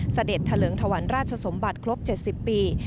เสด็จเถลิงถวันราชสมบัติครบ๗๐ปี